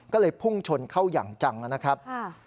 ก็เลยพุ่งชนเข้าอย่างจังนะครับ